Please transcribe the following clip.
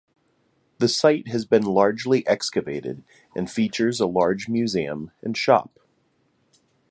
The site has been largely excavated and features a large museum and shop.